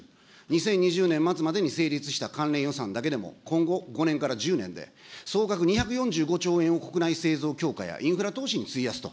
２０２０年末までに成立した関連予算だけでも、今後５年から１０年で、総額２４５兆円を国内製造強化やインフラ投資に費やすと。